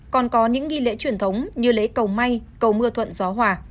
còn có những nghi lễ truyền thống như lễ cầu may cầu mưa thuận gió hòa